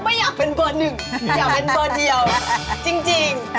ไม่อยากเป็นคนหนึ่ง